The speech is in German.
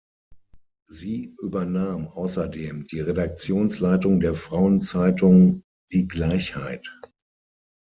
Sie übernahm außerdem die Redaktionsleitung der Frauenzeitung "Die Gleichheit".